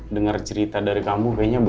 dengar cerita dari kamu kayaknya